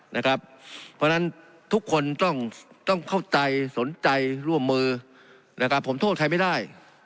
เพราะฉะนั้นทุกคนต้องเข้าใจสนใจร่วมมือผมโทษใครไม่ได้